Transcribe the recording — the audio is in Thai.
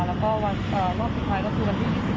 แล้วก็วันลอดสุดท้ายก็สู่วันที่๒๗กุมภาค่ะ